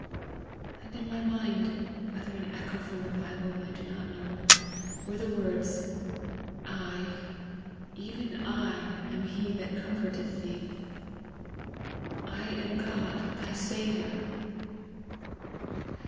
And in my mind whether an echo from the Bible, I do not know were the words: 'I, even I, am he that comforteth thee. I am God, thy saviour!'